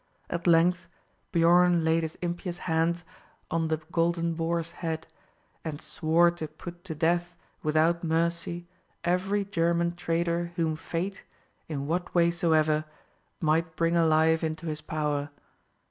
At length Biorn laid his impious hand on the golden boar's head, and swore to put to death without mercy every German trader whom fate, in what way soever, might bring alive into his power.